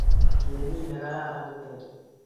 Tyenin nekararan inendet.